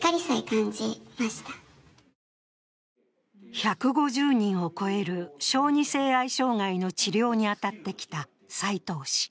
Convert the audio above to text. １５０人を超える小児性愛障害の治療に当たってきた斉藤氏。